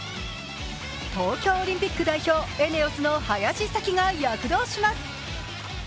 東京オリンピック代表、ＥＮＥＯＳの林咲希が躍動します。